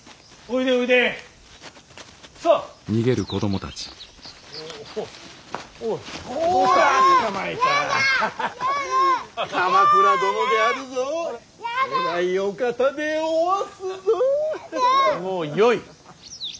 もうよい。